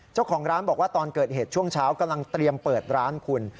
เจ้าของร้านบอกว่าตอนเกิดเหตุช่วงเช้ากำลังเตรียมเปิดร้านคุณ